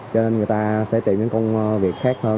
cho nên người ta sẽ tìm những công việc khác hơn